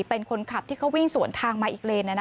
เป็นคนขับที่เขาวิ่งสวนทางมาอีกเลน